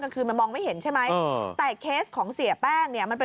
คืนมันมองไม่เห็นใช่ไหมแต่เคสของเสียแป้งเนี่ยมันเป็น